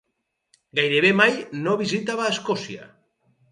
Gairebé mai no visitava Escòcia.